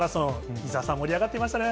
伊沢さん、盛り上がっていましたね。